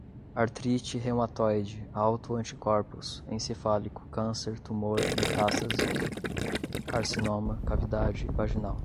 artrite reumatoide, auto-anticorpos, encefálico, câncer, tumor, metástases, carcinoma, cavidade, vaginal